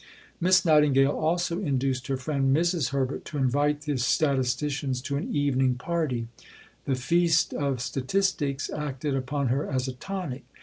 Miss Nightingale also induced her friend Mrs. Herbert to invite the statisticians to an evening party. The feast of statistics acted upon her as a tonic.